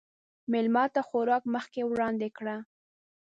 مېلمه ته خوراک مخکې وړاندې کړه.